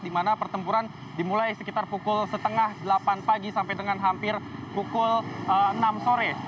di mana pertempuran dimulai sekitar pukul setengah delapan pagi sampai dengan hampir pukul enam sore